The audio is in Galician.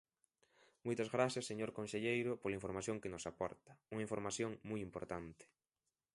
Moitas grazas, señor conselleiro, pola información que nos aporta, unha información moi importante.